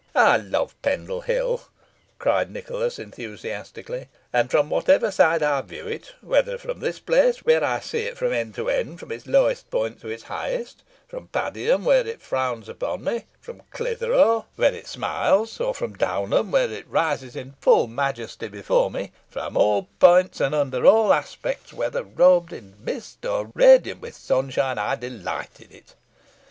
"I love Pendle Hill," cried Nicholas, enthusiastically; "and from whatever side I view it whether from this place, where I see it from end to end, from its lowest point to its highest; from Padiham, where it frowns upon me; from Clithero, where it smiles; or from Downham, where it rises in full majesty before me from all points and under all aspects, whether robed in mist or radiant with sunshine, I delight in it.